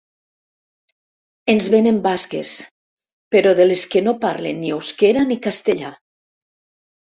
Ens venen basques, però de les que no parlen ni euskera ni castellà.